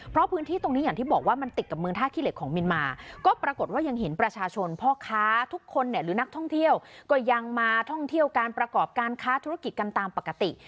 เพราะพื้นที่ตรงนี้อย่างที่บอกว่ามันติดกับเมืองท่าขี้เหล็กของเมียนมาก็ปรากฏว่ายังเห็นประชาชนพ่อค้าทุกคนเนี่ยหรือนักท่องเที่ยวก็ยังมาท่องเที่ยวการประกอบการค้าธุรกิจกันตามปกติ